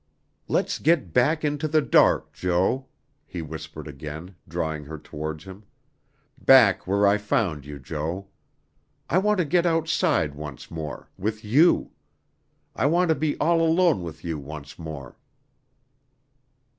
"Let's get back into the dark, Jo," he whispered again, drawing her towards him; "back where I found you, Jo. I want to get outside once more with you. I want to be all alone with you once more."